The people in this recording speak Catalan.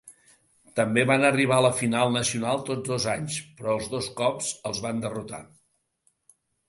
També van arribar a la final nacional tots dos anys, però els dos cops els van derrotar.